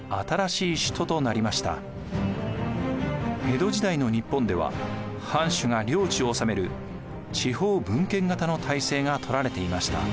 江戸時代の日本では藩主が領地を治める地方分権型の体制がとられていました。